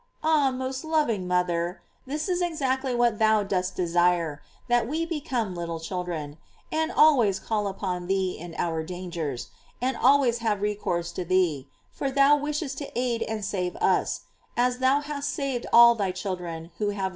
Ah, most loving moth er ! this is exactly what thou dost desire; that we become little children, and always call upon thee in our dangers, and always have re course to thee, for thou wishest to aid and save us, as thou hast saved all thy children who have had recourse to thee.